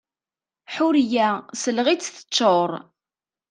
Ḥuriya, sseleɣ-itt teččuṛ!